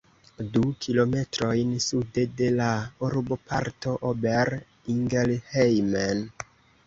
Du kilometrojn sude de la urboparto Ober-Ingelheim.